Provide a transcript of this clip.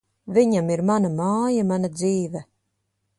Viņam ir mana māja, mana dzīve.